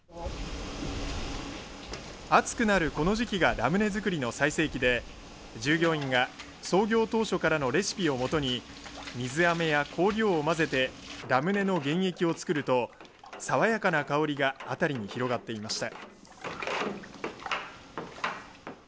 暑くなるこの時期がラムネ作りの最盛期で従業員が創業当初からのレシピをもとに水あめや香料を混ぜてラムネの原液を作ると爽やかな香りが辺りに広がっていました。